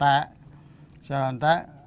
lagi ya wnt